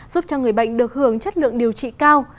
giúp cho người bệnh được hưởng chất lượng điều trị cao